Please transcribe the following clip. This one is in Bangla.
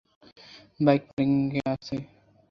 বাইক পার্কিংয়ে আছে।